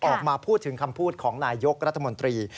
ออกมาพูดถึงคำพูดของนายยกรัฐมนตรี